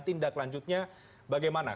tindak lanjutnya bagaimana